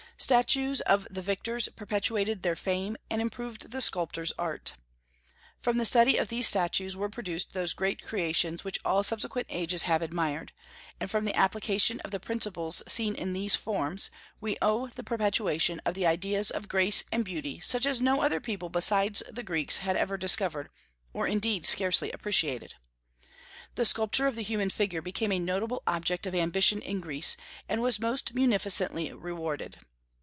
Statues of the victors perpetuated their fame and improved the sculptor's art. From the study of these statues were produced those great creations which all subsequent ages have admired; and from the application of the principles seen in these forms we owe the perpetuation of the ideas of grace and beauty such as no other people besides the Greeks had ever discovered, or indeed scarcely appreciated. The sculpture of the human figure became a noble object of ambition in Greece, and was most munificently rewarded.